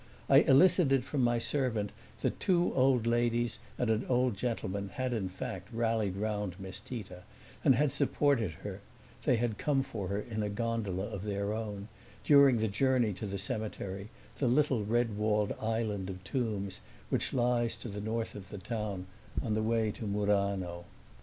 I elicited from my servant that two old ladies and an old gentleman had in fact rallied round Miss Tita and had supported her (they had come for her in a gondola of their own) during the journey to the cemetery, the little red walled island of tombs which lies to the north of the town, on the way to Murano.